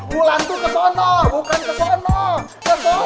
bulan tuh kesono bukan kesono